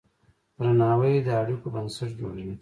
درناوی د اړیکو بنسټ جوړوي.